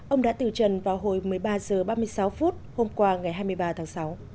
ông đã từ trần vào hồi một mươi ba h ba mươi sáu phút hôm qua ngày hai mươi ba tháng sáu